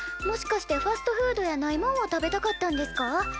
もしかしてファストフードやないもんを食べたかったんですか？